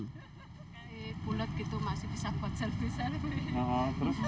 kali bulat gitu masih bisa kuat sel sel